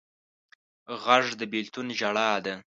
غږ د بېلتون ژړا ده